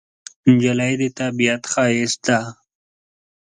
نجلۍ د طبیعت ښایست ده.